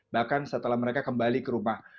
bahkan setelah mereka kembali ke rumah